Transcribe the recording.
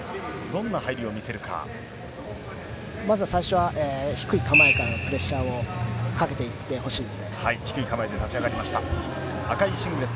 まず最初は低い構えからのプレッシャーをかけていってほしいです。